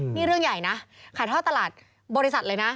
นี่เรื่องใหญ่นะขายท่อตลาดบริษัทเลยนะ